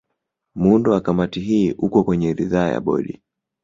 Muundo wa Kamati hii uko kwenye ridhaa ya Bodi